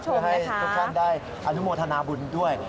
เพื่อให้ทุกท่านได้อนุโมทนาบุญด้วย